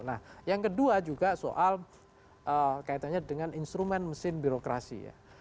nah yang kedua juga soal kaitannya dengan instrumen mesin birokrasi ya